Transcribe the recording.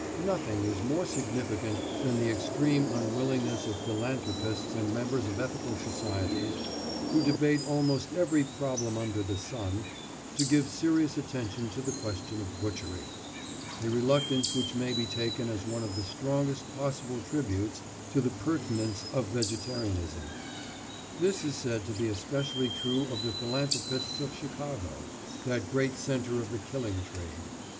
Nothing is more significant than the extreme unwillingness of philanthropists and members of ethical societies, who debate almost every problem under the sun, to give serious attention to the question of butchery—a reluctance which may be taken as one of the strongest possible tributes to the pertinence of vegetarianism. This is said to be especially true of the philanthropists of Chicago—that great centre of the killing trade.